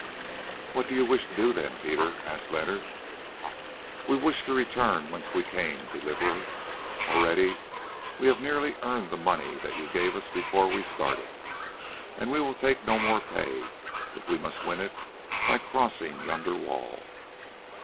"What do you wish to do then, Peter?" asked Leonard. "We wish to return whence we came, Deliverer. Already we have nearly earned the money that you gave to us before we started, and we will take no more pay if we must win it by crossing yonder wall."